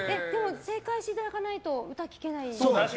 正解していただかないと歌が聴けない。